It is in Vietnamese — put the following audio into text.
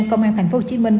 công an thành phố hồ chí minh